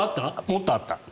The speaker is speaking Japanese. もっとあった。